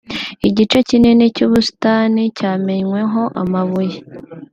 Igice kinini cy'ubusitani cyamenweho amabuye